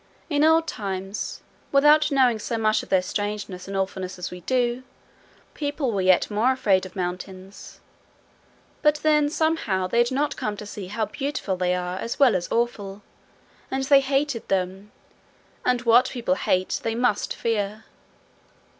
In old times, without knowing so much of their strangeness and awfulness as we do, people were yet more afraid of mountains. But then somehow they had not come to see how beautiful they are as well as awful, and they hated them and what people hate they must fear.